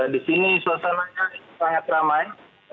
di sini suasananya sangat ramai